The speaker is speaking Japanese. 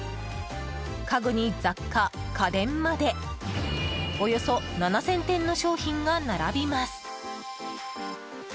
家具に雑貨、家電までおよそ７０００点の商品が並びます。